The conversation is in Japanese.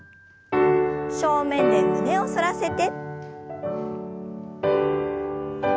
正面で胸を反らせて。